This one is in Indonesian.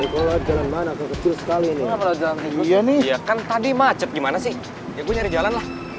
kecil sekali ini iya nih ya kan tadi macet gimana sih ya gue nyari jalan